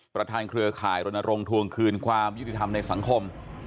เครือข่ายรณรงค์ทวงคืนความยุติธรรมในสังคม